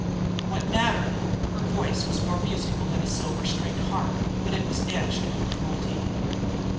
"What matter?" Her voice was more musical than a silver stringed harp, but it was edged with cruelty.